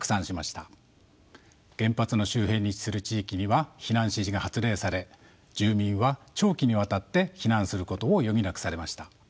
原発の周辺に位置する地域には避難指示が発令され住民は長期にわたって避難することを余儀なくされました。